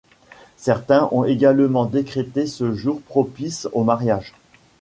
Certains ont également décrété ce jour propice aux mariages.